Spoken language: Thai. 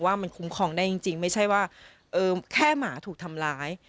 ว่ามันคุ้มครองได้จริงไม่ใช่ว่าแค่หมาถูกทำร้าย